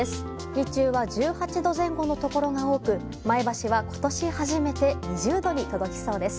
日中は１８度前後のところが多く前橋は今年初めて２０度に届きそうです。